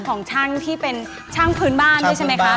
ของช่างที่เป็นช่างพื้นบ้านด้วยใช่ไหมคะ